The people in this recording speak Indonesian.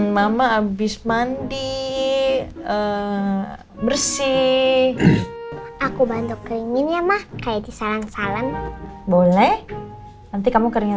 mama habis mandi bersih aku bantu keringin ya mah kayak di salam salam boleh nanti kamu keringin